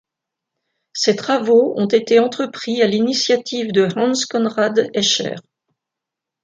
Ces travaux ont été entrepris à l'initiative de Hans Conrad Escher.